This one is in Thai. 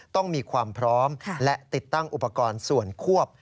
ต้องมีความพร้อมและติดตั้งอุปกรณ์ส่วนควบ